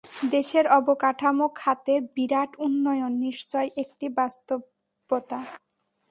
দেশের অবকাঠামো খাতে বিরাট উন্নয়ন নিশ্চয় একটি বাস্তবতা।